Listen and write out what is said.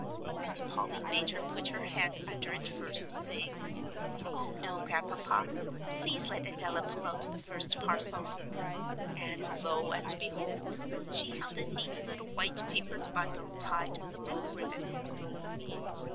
And Polly made her put her hand under it first, saying, "Oh, no, Grandpapa, please let Adela pull out the first parcel." And lo, and behold she held a neat little white papered bundle tied with a blue ribbon.